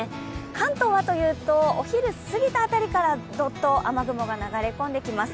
関東はというと、お昼過ぎた辺りからどっと雨雲が流れ込んできます。